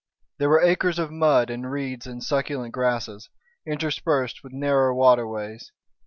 There were acres of mud and reeds and succulent grasses, interspersed with narrow waterways.